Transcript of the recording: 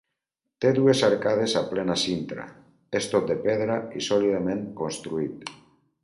Té dues arcades a plena cintra: és tot de pedra i sòlidament construït.